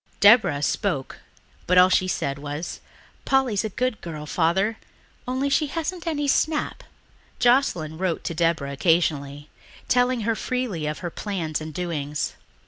Deborah spoke, but all she said was, "Polly's a good girl, Father, only she hasn't any snap." Joscelyn wrote to Deborah occasionally, telling her freely of her plans and doings.